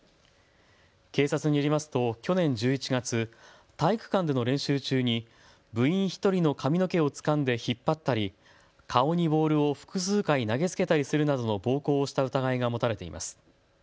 警察によりますと去年１１月、体育館での練習中に部員１人の髪の毛をつかんで引っ張ったり顔にボールを複数回投げつけたりするなどの暴行をした疑いが持たれています。